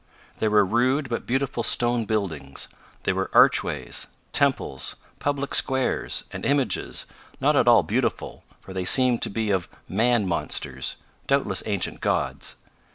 There were rude but beautiful stone buildings. There were archways; temples; public squares; and images, not at all beautiful, for they seemed to be of man monsters doubtless ancient gods.